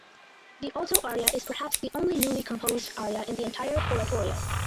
The alto aria is perhaps the only newly composed aria in the entire oratorio.